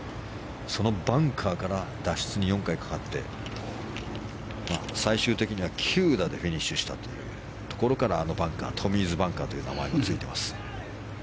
そのバンカーから脱出に４回かかって最終的には９打でフィニッシュしたというあのバンカーにはトミーズバンカーという名前がついています。